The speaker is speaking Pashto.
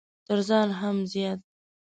تر ځان هم زيات!